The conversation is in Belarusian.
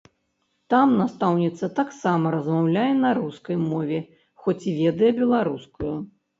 Там настаўніца таксама размаўляе на рускай мове, хоць і ведае беларускую.